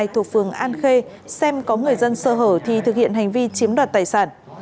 thuộc phường an khê xem có người dân sơ hở thì thực hiện hành vi chiếm đoạt tài sản